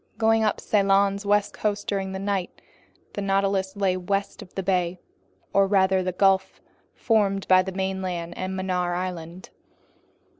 Going up Ceylon's west coast during the night, the Nautilus lay west of the bay, or rather that gulf formed by the mainland and Mannar Island.